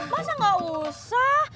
masa gak usah